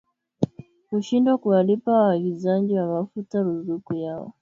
kushindwa kuwalipa waagizaji wa mafuta ruzuku yao